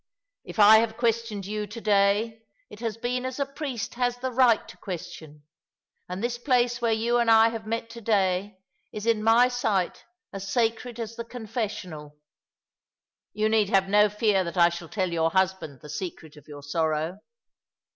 If I have questioned you to day, it has been as a priest has the right to question ; and this place where you and I have met to day is in my sight as sacred as the confessional. You need have no fear that I shall tell your husband the secret of your sorrow.